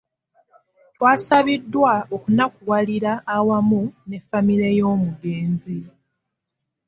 Twasabiddwa okunakuwalira awamu ne famire y'omugenzi.